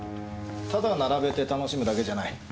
ただ並べて楽しむだけじゃない。